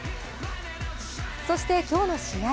そして今日の試合